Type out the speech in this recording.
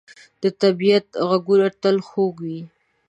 د طبیعت ږغونه تل خوږ وي.